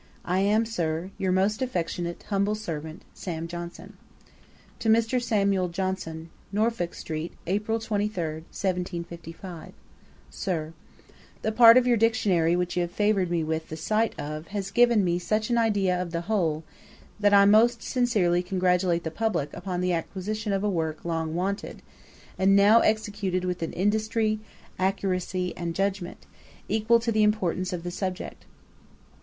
I am, Sir, 'Your most affectionate humble servant, 'SAM. JOHNSON.' 'To MR. SAMUEL JOHNSON. Norfolk street, April 23, 1755. Sir, 'The part of your Dictionary which you have favoured me with the sight of has given me such an idea of the whole, that I most sincerely congratulate the publick upon the acquisition of a work long wanted, and now executed with an industry, accuracy, and judgement, equal to the importance of the subject.